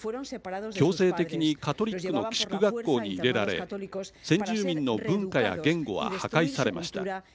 強制的にカトリックの寄宿学校に入れられ先住民の文化や言語は破壊されました。